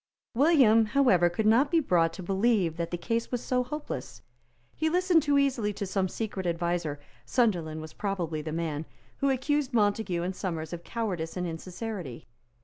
William, however, could not be brought to believe that the case was so hopeless. He listened too easily to some secret adviser, Sunderland was probably the man, who accused Montague and Somers of cowardice and insincerity.